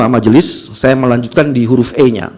majelis saya melanjutkan di huruf e nya